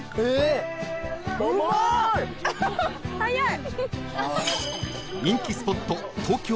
早い。